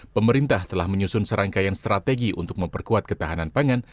pemerintah telah menyusun serangkaian strategi untuk memperkuat ketahanan pangan